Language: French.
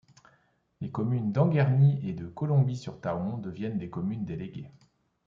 Les communes d'Anguerny et Colomby-sur-Thaon deviennent des communes déléguées.